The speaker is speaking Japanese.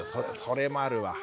それもあるわ。